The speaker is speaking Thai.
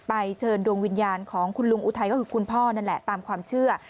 เชิญดวงวิญญาณของคุณลุงอุทัยก็คือคุณพ่อนั่นแหละตามความเชื่อ